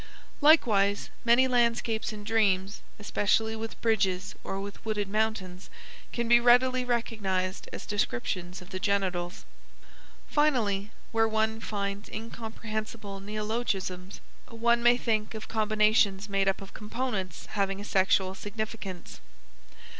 Likewise many landscapes in dreams, especially with bridges or with wooded mountains, can be readily recognized as descriptions of the genitals. Finally where one finds incomprehensible neologisms one may think of combinations made up of components having a sexual significance.